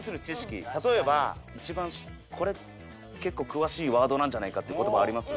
例えば一番これ結構詳しいワードなんじゃないかっていう言葉あります？